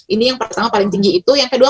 ini yang pertama paling tinggi itu yang kedua